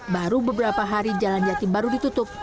baru beberapa hari jalan jati baru ditutup